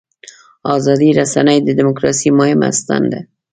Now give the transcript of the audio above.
ازادې رسنۍ د دیموکراسۍ مهمه ستن ده.